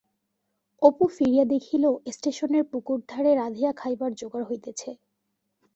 অপু ফিরিয়া দেখিল স্টেশনের পুকুর ধারে রাধিয়া খাইবার জোগাড় হইতেছে।